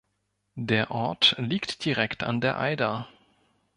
Der Ort liegt direkt an der Eider.